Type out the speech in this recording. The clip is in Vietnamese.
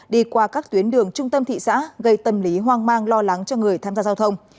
đi qua các tuyến đường trung tâm thị xã gây tâm lý hoang mang lo lắng cho người tham gia giao thông